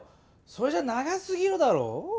それじゃ長すぎるだろう？